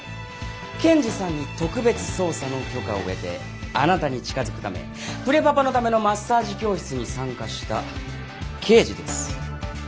検事さんに特別捜査の許可を得てあなたに近づくためプレパパのためのマッサージ教室に参加した刑事です。